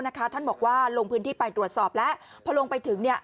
ท่านบอกว่าลงพื้นที่ไปตรวจสอบแล้วพอลงไปถึง